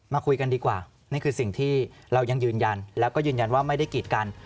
มาคุยกันดีกว่านี่คือสิ่งที่เรายังยืนยันแล้วก็ยืนยันว่าไม่ได้กีดกัน